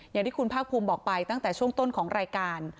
อย่างที่คุณภาคภูมิบอกไปตั้งแต่ช่วงต้นของรายการ